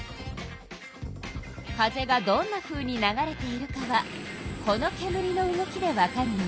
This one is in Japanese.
風がどんなふうに流れているかはこのけむりの動きでわかるのよ。